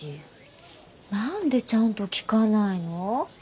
何でちゃんと聞かないの？